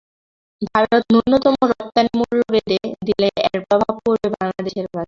ভারত ন্যূনতম রপ্তানি মূল্য বেঁধে দিলে এর প্রভাব পড়বে বাংলাদেশের বাজারে।